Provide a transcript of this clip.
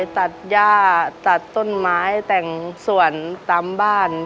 ตัดย่าตัดต้นไม้แต่งส่วนตามบ้าน